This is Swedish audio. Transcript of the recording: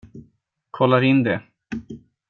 Kollar in det.